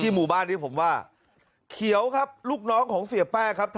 หาวหาวหาวหาวหาวหาวหาวหาวหาวหาว